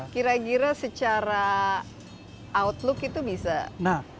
kira kira secara outlook itu bisa yang baik buat kita